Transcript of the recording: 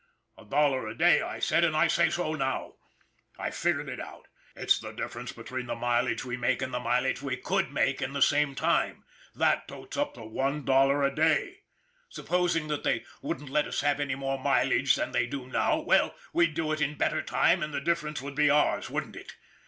A dollar a day I said, and I say so now. I figured it out. It's the difference between high grade coal and the muck we burn. It's the difference between the mileage we make and the mileage we could make in the same time. That totes up one dollar a day. Supposing they wouldn't let us have any more mileage than they do now, well, we'd do it in better time, and the difference would be ours, wouldn't it